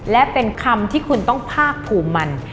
และเป็นคำที่คุณต้องภาคภูมิมัน